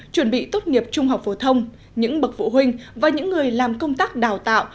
chuẩn bị tốt nghiệp trung học phổ thông những bậc phụ huynh và những người làm công tác đào tạo